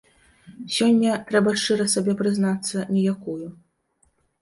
Сёння, трэба шчыра сабе прызнацца, ніякую.